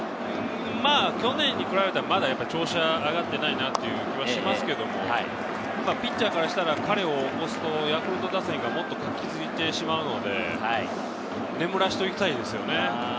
去年に比べたらまだ調子は上がってないなという気はしますけど、ピッチャーからしたら彼を起こすとヤクルトがもっと確実に行ってしまうので、眠らしておきたいですよね。